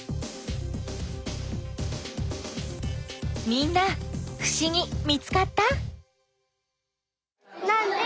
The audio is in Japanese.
みんなふしぎ見つかった？